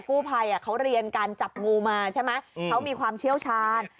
กู้ภัยเขาเรียนการจับงูมาใช่ไหมเขามีความเชี่ยวชาญ